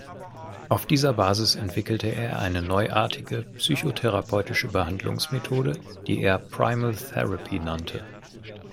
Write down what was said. Auf dieser Basis entwickelte er eine neuartige psychotherapeutische Behandlungsmethode, die er „Primal Therapy“ nannte.